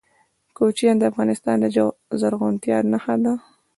کوچیان د افغانستان د زرغونتیا نښه ده.